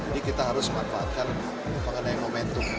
jadi kita harus memanfaatkan pengenai momentum